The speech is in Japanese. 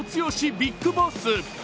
ビッグボス。